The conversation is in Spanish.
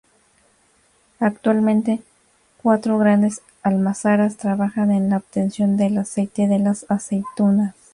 Actualmente, cuatro grandes almazaras trabajan en la obtención del aceite de las aceitunas.